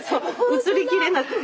写りきれなくて。